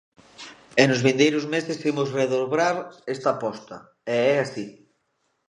E nos vindeiros meses imos redobrar esta aposta, e é así.